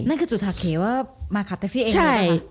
นั่นคือจุธาเขว่ามาขับแท็กซี่เอง